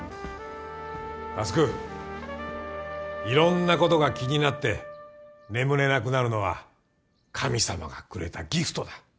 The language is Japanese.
いろんなことが気になって眠れなくなるのは神様がくれたギフトだ。